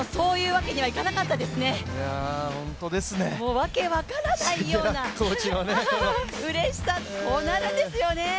わけわからないようなうれしさ、こうなるんですよね。